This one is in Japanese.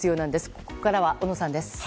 ここからは小野さんです。